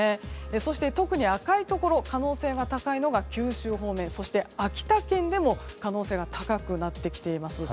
そして、特に赤いところ可能性が高いのが九州方面、そして秋田県でも可能性が高くなってきています。